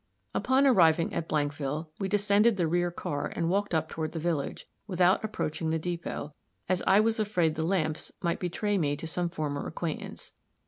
Upon arriving at Blankville, we descended the rear car and walked up toward the village, without approaching the depot, as I was afraid the lamps might betray me to some former acquaintance.